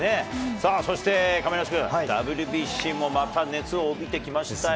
さあ、そして、亀梨君、ＷＢＣもまた熱を帯びてきましたよ。